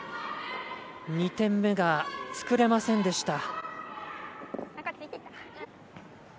２点目が作れませんでした。